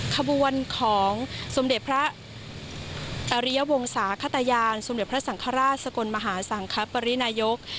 ขบวนของสมเด็จพระอริยวงศาขตยานสมเด็จพระสังฆราชสกลมหาสังคปรินายก